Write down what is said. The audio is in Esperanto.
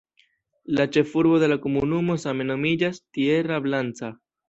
La ĉefurbo de la komunumo same nomiĝas "Tierra Blanca".